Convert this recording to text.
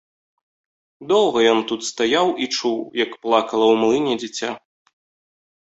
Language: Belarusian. Доўга ён тут стаяў і чуў, як плакала ў млыне дзіця.